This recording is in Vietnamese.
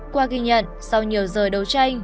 qua ghi nhận sau nhiều giờ đấu tranh